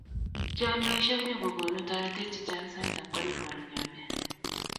Chealdaishe konyokokonu taretet chechang sait ab carnival nenyone.